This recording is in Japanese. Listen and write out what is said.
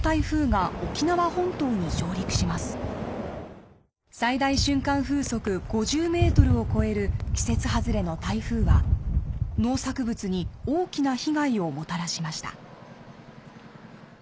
風速５０メートルを超える季節外れの台風は農作物に大きな被害をもたらしました。